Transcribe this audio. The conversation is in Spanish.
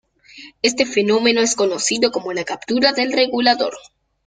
Este fenómeno es conocido como la captura del Regulador.